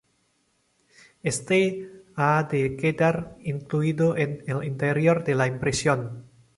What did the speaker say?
Éste ha de quedar incluido en el interior de la impresión.